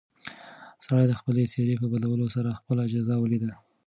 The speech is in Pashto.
سړي د خپلې څېرې په بدلولو سره خپله جزا ولیده.